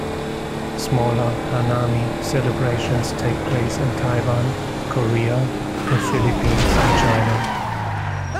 Smaller "hanami" celebrations take place in Taiwan, Korea, the Philippines, and China.